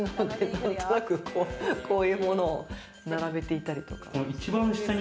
何となく、こういうものを並べていたりとか。